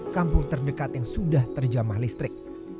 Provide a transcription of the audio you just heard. kampung terdekat yang sudah terjamah listrik